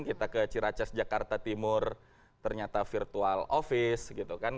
kita ke ciracas jakarta timur ternyata virtual office gitu kan